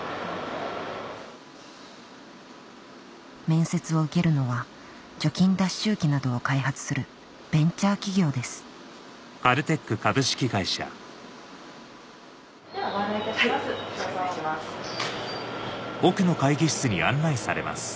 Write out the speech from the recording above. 面接を受けるのは除菌脱臭機などを開発するベンチャー企業ですではご案内いたします。